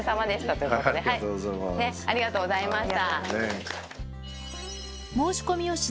ねっありがとうございました。